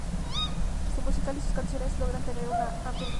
Su música y sus canciones logran tener una amplia audiencia.